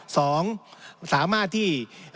สองสามารถที่